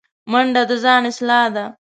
منډه د ځان اصلاح ده